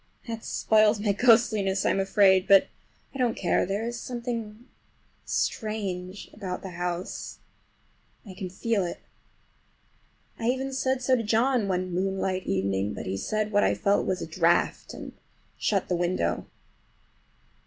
That spoils my ghostliness, I am afraid; but I don't care—there is something strange about the house—I can feel it. I even said so to John one moonlight evening, but he said what I felt was a draught, and shut the window.